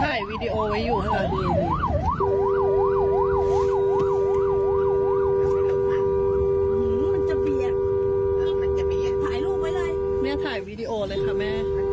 ถ่ายรูปไหวเลยใช่เนี้ยถ่ายวีดีโอเลยค่ะแม่